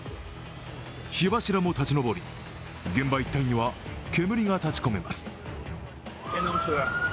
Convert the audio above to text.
火柱も立ち上り、現場一帯には煙が立ちこめます。